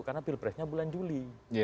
karena pilpresnya bulan juli